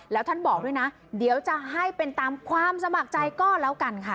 แล้วท่านบอกด้วยนะเดี๋ยวจะให้เป็นตามความสมัครใจก็แล้วกันค่ะ